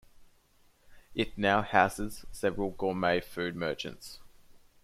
It now houses several gourmet food merchants.